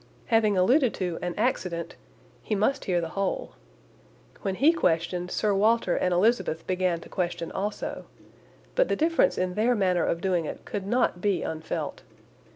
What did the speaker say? Having alluded to "an accident," he must hear the whole. When he questioned, Sir Walter and Elizabeth began to question also, but the difference in their manner of doing it could not be unfelt.